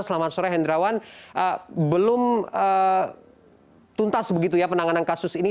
selamat sore hendrawan belum tuntas begitu ya penanganan kasus ini